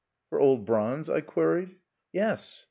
"For old bronze?" I queried. "Yes.